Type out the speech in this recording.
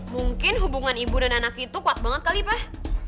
mungkin hubungan ibu dan anak itu kuat banget sekali pak